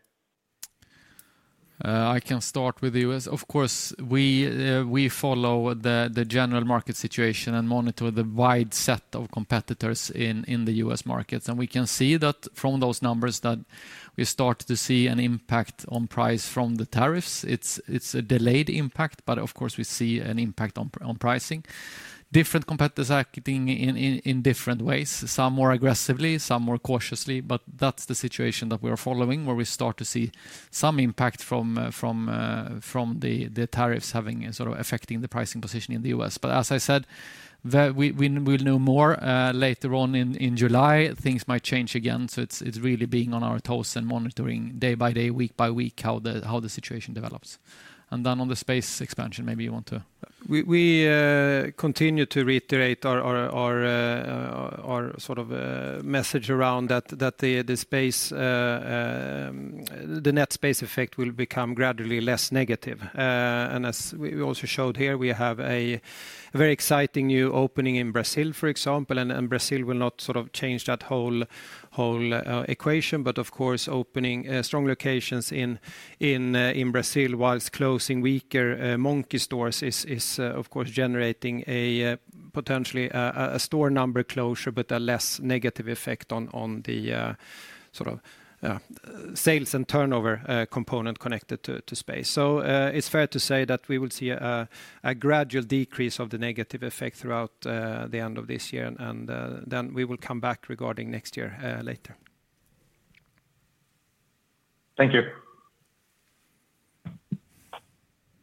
I can start with the U.S. Of course, we follow the general market situation and monitor the wide set of competitors in the U.S. markets. We can see that from those numbers that we start to see an impact on price from the tariffs. It is a delayed impact, but of course, we see an impact on pricing. Different competitors are acting in different ways. Some more aggressively, some more cautiously, but that is the situation that we are following where we start to see some impact from the tariffs having sort of affecting the pricing position in the U.S. As I said, we will know more later on in July. Things might change again. It is really being on our toes and monitoring day by day, week by week how the situation develops. On the space expansion, maybe you want to. We continue to reiterate our sort of message around that the net space effect will become gradually less negative. As we also showed here, we have a very exciting new opening in Brazil, for example. Brazil will not sort of change that whole equation. Of course, opening strong locations in Brazil whilst closing weaker Monki stores is, of course, generating potentially a store number closure, but a less negative effect on the sort of sales and turnover component connected to space. It is fair to say that we will see a gradual decrease of the negative effect throughout the end of this year. We will come back regarding next year later. Thank you.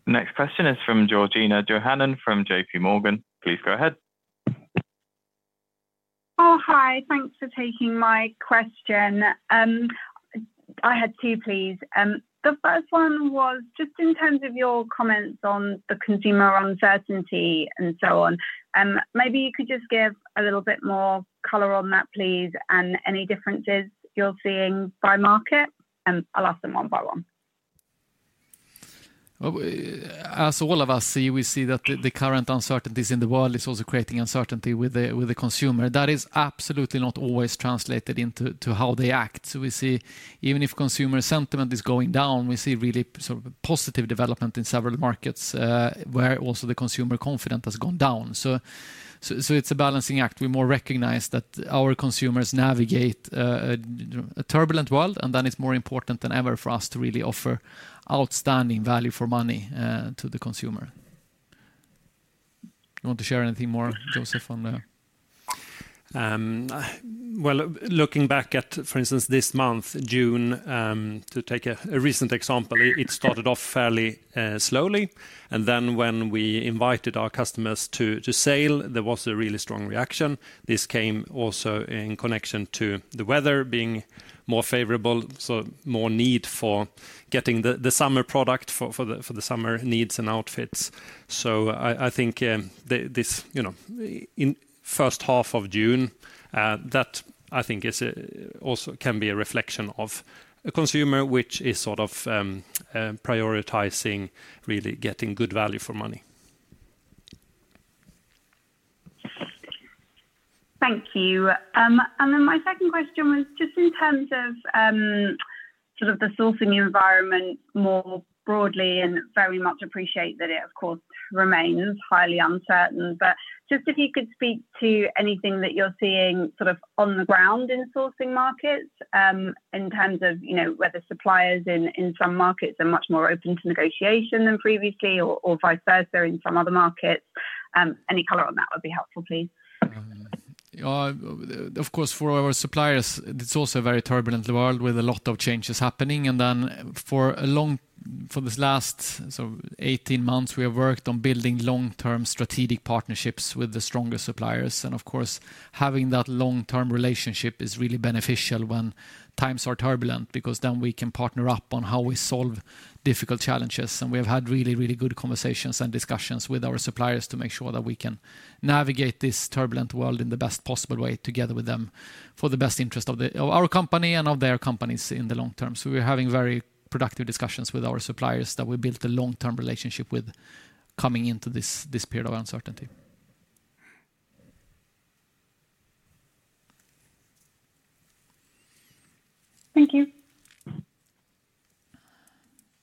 Next question is from Georgina Johanan from J.P. Morgan. Please go ahead. Oh, hi. Thanks for taking my question. I had two, please. The first one was just in terms of your comments on the consumer uncertainty and so on. Maybe you could just give a little bit more color on that, please, and any differences you're seeing by market? I will ask them one by one. As all of us see, we see that the current uncertainties in the world are also creating uncertainty with the consumer. That is absolutely not always translated into how they act. We see, even if consumer sentiment is going down, we see really sort of positive development in several markets where also the consumer confidence has gone down. It is a balancing act. We more recognize that our consumers navigate a turbulent world, and then it is more important than ever for us to really offer outstanding value for money to the consumer. You want to share anything more, Joseph, on that? Looking back at, for instance, this month, June, to take a recent example, it started off fairly slowly. When we invited our customers to sale, there was a really strong reaction. This came also in connection to the weather being more favorable, so more need for getting the summer product for the summer needs and outfits. I think this first half of June, that I think also can be a reflection of a consumer, which is sort of prioritizing really getting good value for money. Thank you. My second question was just in terms of sort of the sourcing environment more broadly, and very much appreciate that it, of course, remains highly uncertain. If you could speak to anything that you're seeing sort of on the ground in sourcing markets in terms of whether suppliers in some markets are much more open to negotiation than previously or vice versa in some other markets. Any color on that would be helpful, please. Of course, for our suppliers, it's also a very turbulent world with a lot of changes happening. For this last 18 months, we have worked on building long-term strategic partnerships with the strongest suppliers. Of course, having that long-term relationship is really beneficial when times are turbulent because then we can partner up on how we solve difficult challenges. We have had really, really good conversations and discussions with our suppliers to make sure that we can navigate this turbulent world in the best possible way together with them for the best interest of our company and of their companies in the long term. We are having very productive discussions with our suppliers that we built a long-term relationship with coming into this period of uncertainty. Thank you.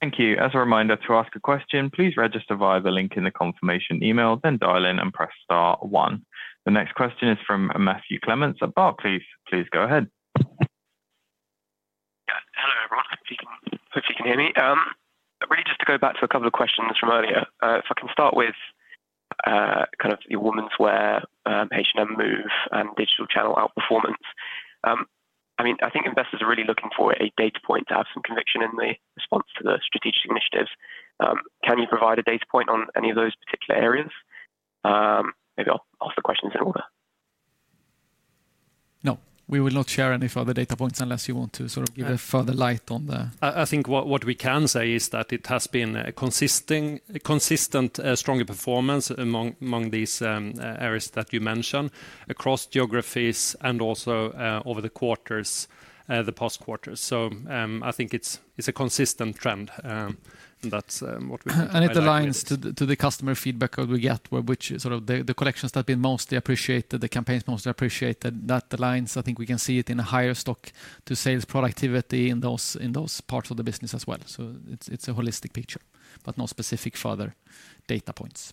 Thank you. As a reminder to ask a question, please register via the link in the confirmation email, then dial in and press star one. The next question is from Matthew Clements at Barclays. Please go ahead. Hello, everyone. Hopefully, you can hear me. Really, just to go back to a couple of questions from earlier. If I can start with kind of your women's wear, H&M Move, and digital channel outperformance. I mean, I think investors are really looking for a data point to have some conviction in the response to the strategic initiatives. Can you provide a data point on any of those particular areas? Maybe I'll ask the questions in order. No, we will not share any further data points unless you want to sort of give a further light on the. I think what we can say is that it has been consistent, stronger performance among these areas that you mentioned across geographies and also over the quarters, the past quarters. I think it is a consistent trend. That is what we are looking for. It aligns to the customer feedback that we get, which sort of the collections that have been mostly appreciated, the campaigns mostly appreciated, that aligns. I think we can see it in a higher stock-to-sales productivity in those parts of the business as well. It is a holistic picture, but no specific further data points.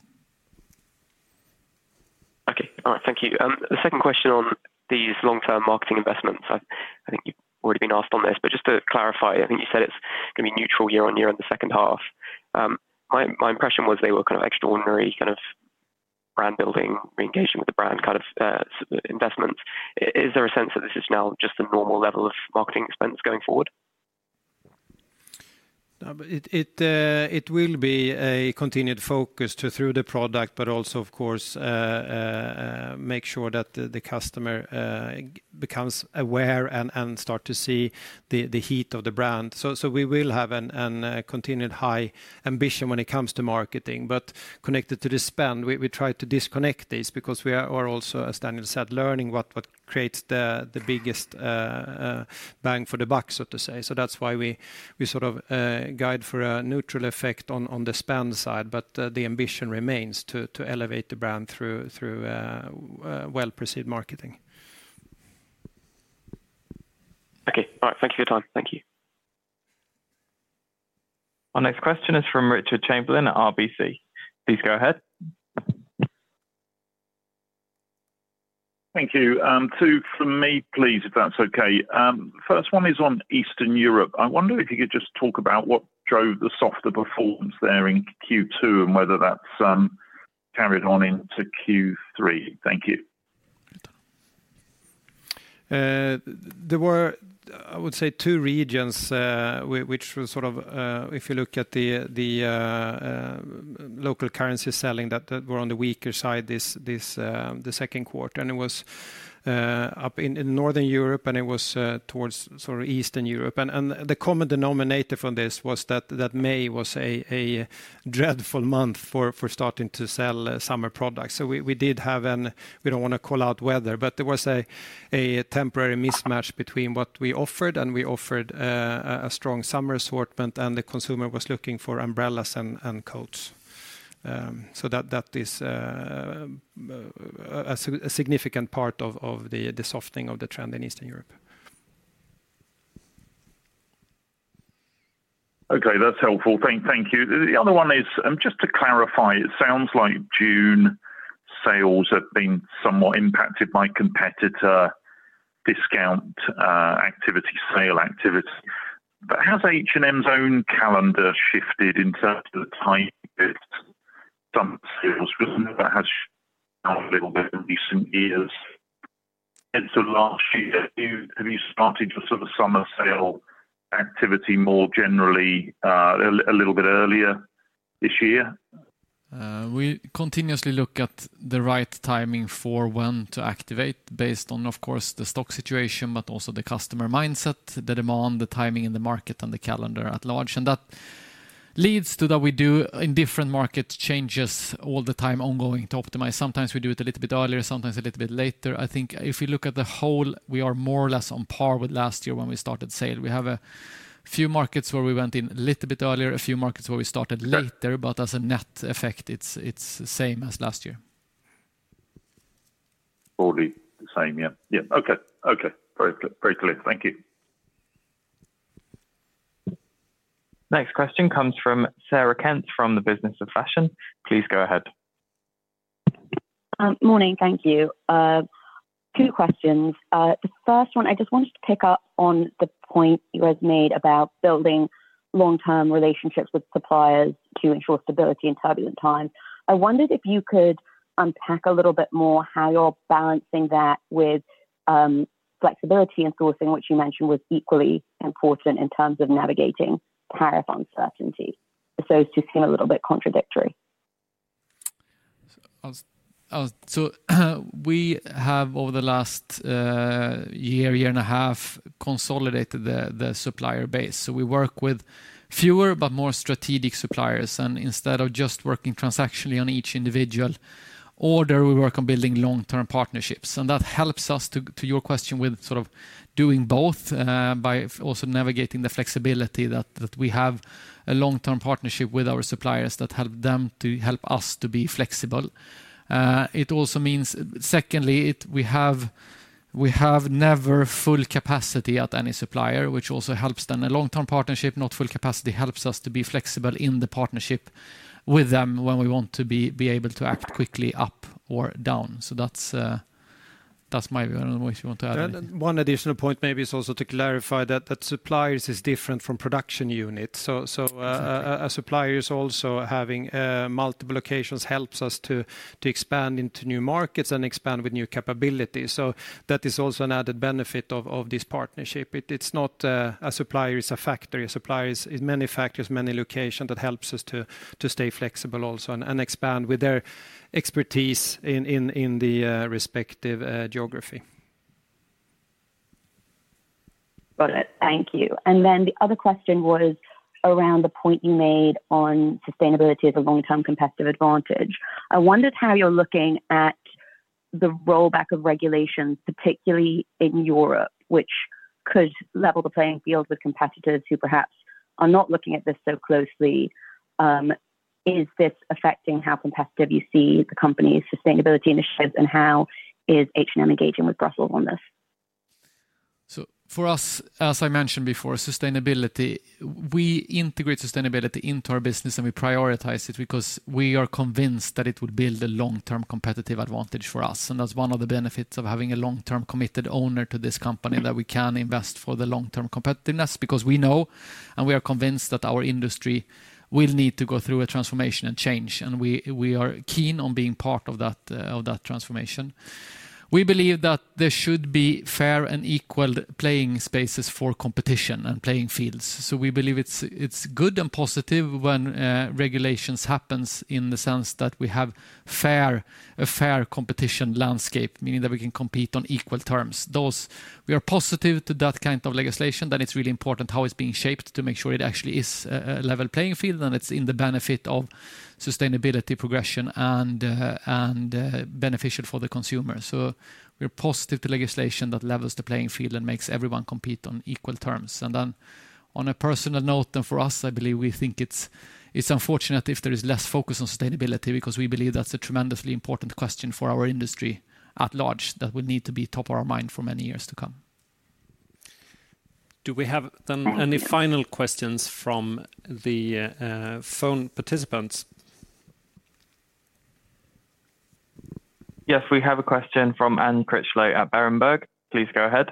Okay. All right. Thank you. The second question on these long-term marketing investments. I think you've already been asked on this, but just to clarify, I think you said it's going to be neutral year on year in the second half. My impression was they were kind of extraordinary kind of brand building, re-engaging with the brand kind of investments. Is there a sense that this is now just a normal level of marketing expense going forward? It will be a continued focus through the product, but also, of course, make sure that the customer becomes aware and starts to see the heat of the brand. We will have a continued high ambition when it comes to marketing. Connected to the spend, we try to disconnect this because we are also, as Daniel said, learning what creates the biggest bang for the buck, so to say. That is why we sort of guide for a neutral effect on the spend side. The ambition remains to elevate the brand through well-proceed marketing. Okay. All right. Thank you for your time. Thank you. Our next question is from Richard Chamberlain at RBC. Please go ahead. Thank you. Two from me, please, if that's okay. First one is on Eastern Europe. I wonder if you could just talk about what drove the soft performance there in Q2 and whether that's carried on into Q3. Thank you. There were, I would say, two regions, which were sort of, if you look at the local currency selling, that were on the weaker side the second quarter. It was up in Northern Europe, and it was towards sort of Eastern Europe. The common denominator for this was that May was a dreadful month for starting to sell summer products. We did have an, we do not want to call out weather, but there was a temporary mismatch between what we offered and we offered a strong summer assortment, and the consumer was looking for umbrellas and coats. That is a significant part of the softening of the trend in Eastern Europe. Okay. That's helpful. Thank you. The other one is, just to clarify, it sounds like June sales have been somewhat impacted by competitor discount activity, sale activity. Has H&M's own calendar shifted in terms of the time it's done sales? Has it shifted a little bit in recent years? Last year, have you started sort of summer sale activity more generally a little bit earlier this year? We continuously look at the right timing for when to activate based on, of course, the stock situation, but also the customer mindset, the demand, the timing in the market, and the calendar at large. That leads to that we do in different market changes all the time ongoing to optimize. Sometimes we do it a little bit earlier, sometimes a little bit later. I think if you look at the whole, we are more or less on par with last year when we started sale. We have a few markets where we went in a little bit earlier, a few markets where we started later, but as a net effect, it's the same as last year. Probably the same, yeah. Yeah. Okay. Okay. Very clear. Thank you. Next question comes from Sarah Kent from the Business of Fashion. Please go ahead. Morning. Thank you. Two questions. The first one, I just wanted to pick up on the point you guys made about building long-term relationships with suppliers to ensure stability in turbulent times. I wondered if you could unpack a little bit more how you're balancing that with flexibility in sourcing, which you mentioned was equally important in terms of navigating tariff uncertainty. Those two seem a little bit contradictory. We have, over the last year, year and a half, consolidated the supplier base. We work with fewer, but more strategic suppliers. Instead of just working transactionally on each individual order, we work on building long-term partnerships. That helps us, to your question, with sort of doing both by also navigating the flexibility that we have a long-term partnership with our suppliers that helps them to help us to be flexible. It also means, secondly, we have never full capacity at any supplier, which also helps them. A long-term partnership, not full capacity, helps us to be flexible in the partnership with them when we want to be able to act quickly up or down. That is my view on what you want to add. One additional point maybe is also to clarify that suppliers is different from production units. A supplier is also having multiple locations helps us to expand into new markets and expand with new capabilities. That is also an added benefit of this partnership. It is not a supplier is a factory. A supplier is many factories, many locations that helps us to stay flexible also and expand with their expertise in the respective geography. Got it. Thank you. The other question was around the point you made on sustainability as a long-term competitive advantage. I wondered how you're looking at the rollback of regulations, particularly in Europe, which could level the playing field with competitors who perhaps are not looking at this so closely. Is this affecting how competitive you see the company's sustainability initiatives, and how is H&M engaging with Brussels on this? As I mentioned before, sustainability, we integrate sustainability into our business, and we prioritize it because we are convinced that it would build a long-term competitive advantage for us. That is one of the benefits of having a long-term committed owner to this company, that we can invest for the long-term competitiveness because we know and we are convinced that our industry will need to go through a transformation and change. We are keen on being part of that transformation. We believe that there should be fair and equal playing spaces for competition and playing fields. We believe it is good and positive when regulations happen in the sense that we have a fair competition landscape, meaning that we can compete on equal terms. We are positive to that kind of legislation, that it's really important how it's being shaped to make sure it actually is a level playing field and it's in the benefit of sustainability progression and beneficial for the consumer. We are positive to legislation that levels the playing field and makes everyone compete on equal terms. On a personal note, and for us, I believe we think it's unfortunate if there is less focus on sustainability because we believe that's a tremendously important question for our industry at large that will need to be top of our mind for many years to come. Do we have then any final questions from the phone participants? Yes, we have a question from Anne Critchlow at Berenberg. Please go ahead.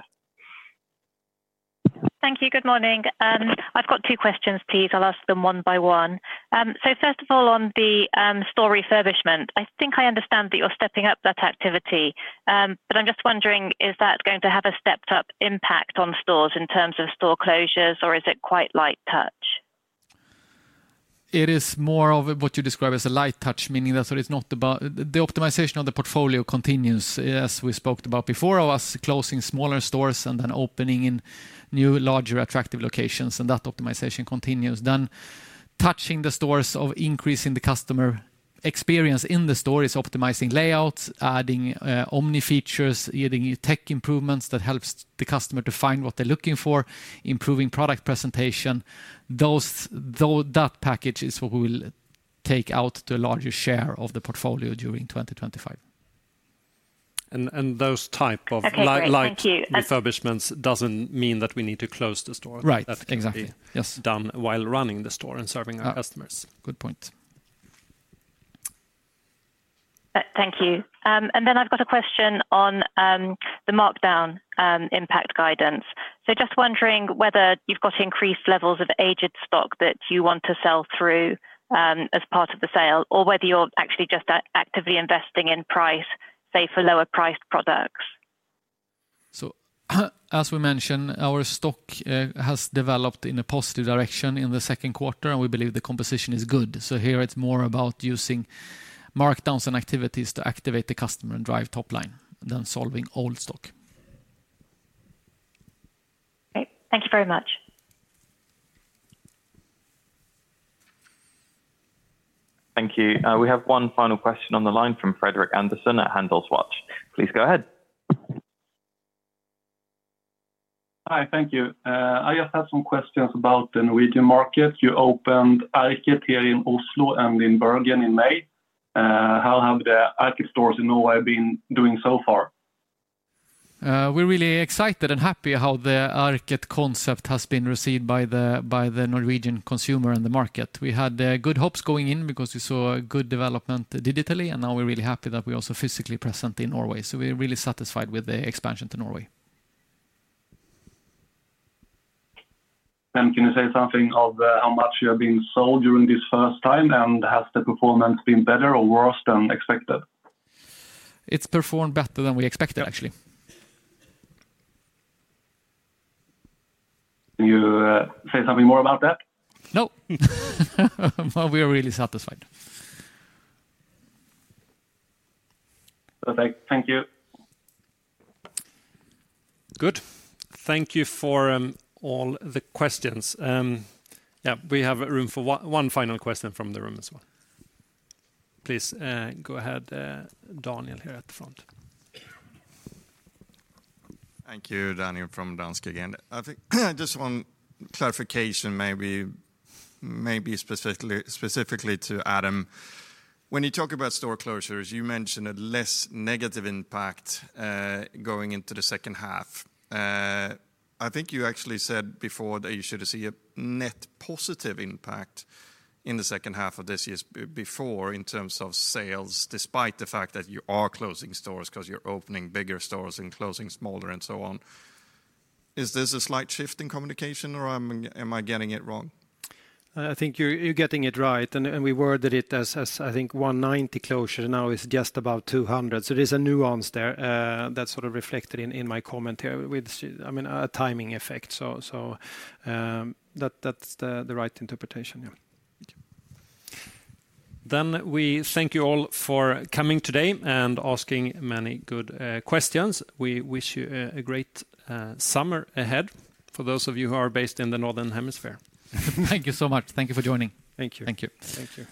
Thank you. Good morning. I've got two questions, please. I'll ask them one by one. First of all, on the store refurbishment, I think I understand that you're stepping up that activity, but I'm just wondering, is that going to have a stepped-up impact on stores in terms of store closures, or is it quite light touch? It is more of what you describe as a light touch, meaning that it's not the optimization of the portfolio continues, as we spoke about before, of us closing smaller stores and then opening in new, larger, attractive locations, and that optimization continues. Touching the stores of increasing the customer experience in the stores, optimizing layouts, adding omni features, adding tech improvements that helps the customer to find what they're looking for, improving product presentation. That package is what we will take out to a larger share of the portfolio during 2025. Those type of light refurbishments doesn't mean that we need to close the store. Right. Exactly. Yes. Done while running the store and serving our customers. Good point. Thank you. I have a question on the markdown impact guidance. I am just wondering whether you have increased levels of aged stock that you want to sell through as part of the sale, or whether you are actually just actively investing in price, say, for lower-priced products. As we mentioned, our stock has developed in a positive direction in the second quarter, and we believe the composition is good. Here it is more about using markdowns and activities to activate the customer and drive top line, then solving old stock. Okay. Thank you very much. Thank you. We have one final question on the line from Fredrik Andersson at Handelswatch. Please go ahead. Hi. Thank you. I just had some questions about the Norwegian market. You opened ARKET here in Oslo and in Bergen in May. How have the ARKET stores in Norway been doing so far? We're really excited and happy how the ARKET concept has been received by the Norwegian consumer and the market. We had good hopes going in because we saw good development digitally, and now we're really happy that we're also physically present in Norway. We're really satisfied with the expansion to Norway. Can you say something of how much you have been sold during this first time, and has the performance been better or worse than expected? It's performed better than we expected, actually. Can you say something more about that? No. We are really satisfied. Perfect. Thank you. Good. Thank you for all the questions. Yeah, we have room for one final question from the room as well. Please go ahead, Daniel here at the front. Thank you, Daniel, from Danske Again. I think just one clarification, maybe specifically to Adam. When you talk about store closures, you mentioned a less negative impact going into the second half. I think you actually said before that you should see a net positive impact in the second half of this year before in terms of sales, despite the fact that you are closing stores because you're opening bigger stores and closing smaller and so on. Is this a slight shift in communication, or am I getting it wrong? I think you're getting it right. We worded it as, I think, 190 closure now is just about 200. There is a nuance there that's sort of reflected in my comment here with, I mean, a timing effect. That's the right interpretation. Thank you. We thank you all for coming today and asking many good questions. We wish you a great summer ahead for those of you who are based in the Northern Hemisphere. Thank you so much. Thank you for joining. Thank you. Thank you.